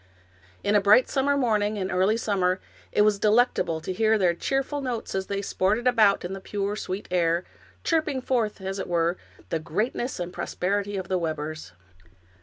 In a bright summer morning in early summer, it was delectable to hear their cheerful notes as they sported about in the pure, sweet air, chirping forth, as it were, the greatness and prosperity of the Webbers.